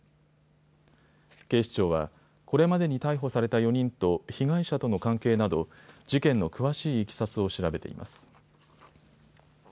警視庁はこれまでに逮捕された４人と被害者との関係など事件の詳しいいきさつを調べています。